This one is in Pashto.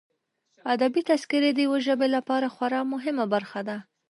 ادبي تذکرې د یوه ژبې لپاره خورا مهمه برخه ده.